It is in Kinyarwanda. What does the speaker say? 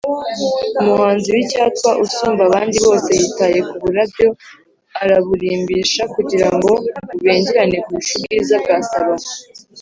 umuhanzi w’icyatwa usumba abandi bose yitaye ku burabyo araburimbisha kugira ngo bubengerane kurusha ubwiza bwa salomo